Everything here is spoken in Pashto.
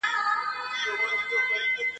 ځوانان د خپل وطن د آزادۍ لپاره قرباني ورکوي.